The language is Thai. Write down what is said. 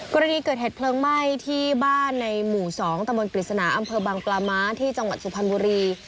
กรณีเกิดเหตุเพลิงไหม้ที่บ้านในหมู่๒ตะมนต์ปริศนาอำเภอบางปลาม้าที่จังหวัดสุพรรณบุรี